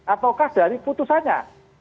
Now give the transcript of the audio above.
ataukah dari putusannya